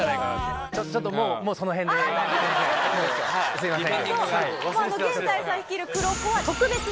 すいません。